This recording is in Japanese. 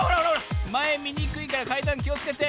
まえみにくいからかいだんきをつけて。